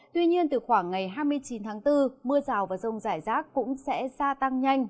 tuy nhiên từ khoảng ngày hai mươi chín tháng bốn mưa rào và rông rải rác cũng sẽ gia tăng nhanh